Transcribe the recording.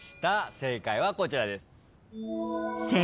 正解はこちらです。